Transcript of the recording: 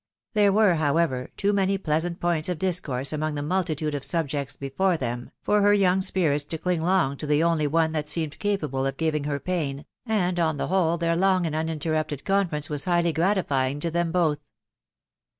There were, how ever, too many pleasant points of discourse among the multi tude of subjects before them, for her young spirits to ding long to the only one that seemed capable of giving her pain, and on the whole their long and uninterrupted confirmcr was highly gratifying to them both.